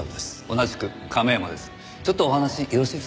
同じく亀山です。